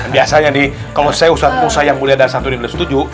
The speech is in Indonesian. biasanya nih kalau saya ustadz pungsa yang mulia dan santunin belum setuju